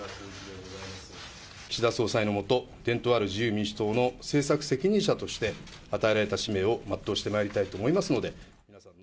岸田総裁の下、伝統ある自由民主党の政策責任者として、与えられた使命を全うしてまいりたいと思いますので。